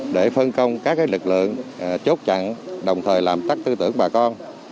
để phân công các lực lượng chốt chặn đồng thời làm tắt tư tưởng bà con